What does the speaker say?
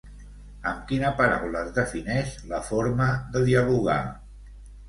Amb quina paraula es defineix la forma de dialogar?